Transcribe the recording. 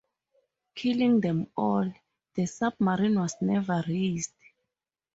Killing them all, the submarine was never raised.